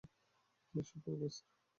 Suprabhat, sir.